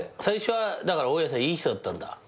最初はだから大家さんいい人だったんだ。